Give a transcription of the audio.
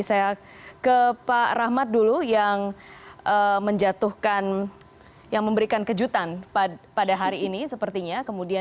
saya ke pak rahmat dulu yang menjatuhkan yang memberikan kejutan pada hari ini sepertinya